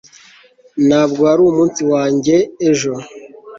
ntabwo wari umunsi wanjye ejo